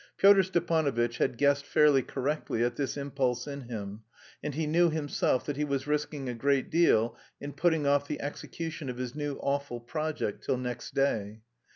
Pyotr Stepanovitch had guessed fairly correctly at this impulse in him, and he knew himself that he was risking a great deal in putting off the execution of his new awful project till next day.